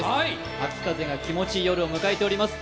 秋風が気持ちいい夜を迎えております。